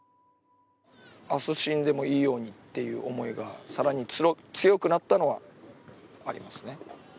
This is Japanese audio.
明日死んでもいいようにという思いが更に強くなったのはありますね。